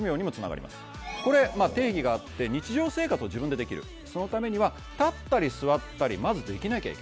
これ定義があって日常生活を自分でできるそのためには立ったり座ったりまずできなきゃいけない。